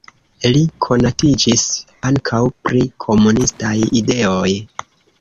Li konatiĝis ankaŭ pri komunistaj ideoj.